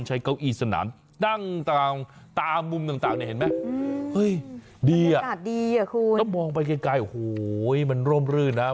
ใช้เก้าอีสนามตั้งตามุมต่างนี่เห็นไหมดีอ่ะต้องมองไปไกลโหมันร่มรื่นนะ